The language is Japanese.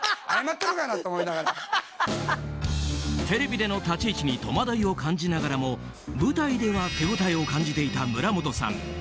テレビでの立ち位置に戸惑いを感じながらも舞台では手応えを感じていた村本さん。